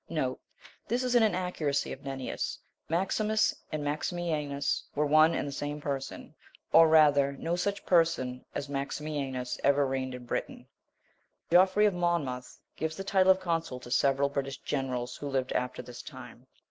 (1) This is an inaccuracy of Nennius; Maximus and Maximianus were one and the same person; or rather no such person as Maximianus ever reigned in Britain. (2) Geoffrey of Monmouth gives the title of consul to several British generals who lived after this time.